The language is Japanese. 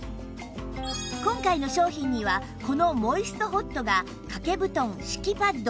今回の商品にはこのモイストホットが掛け布団敷きパッド